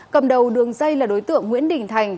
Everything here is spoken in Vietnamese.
cầm đầu đường dây là đối tượng nguyễn đình thành